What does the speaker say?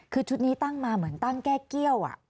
คือชุดนี้ตั้งมาเหมือนตั้งแก้เกี้ยว